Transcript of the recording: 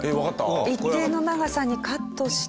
一定の長さにカットして。